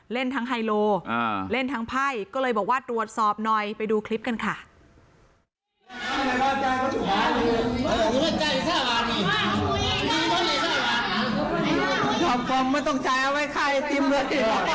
ขอบความไม่ต้องจ่ายเอาไว้ค่าไอติมหรืออาทิตย์